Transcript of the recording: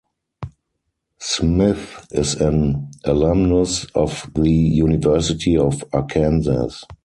Smith is an alumnus of the University of Arkansas.